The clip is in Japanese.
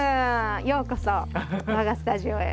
ようこそ我がスタジオへ。